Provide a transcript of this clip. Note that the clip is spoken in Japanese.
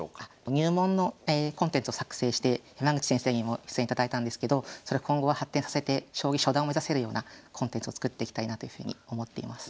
入門のコンテンツを作成して山口先生にも出演いただいたんですけどそれを今後は発展させて将棋初段を目指せるようなコンテンツを作っていきたいなというふうに思っています。